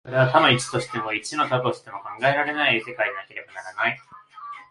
それは多の一としても、一の多としても考えられない世界でなければならない。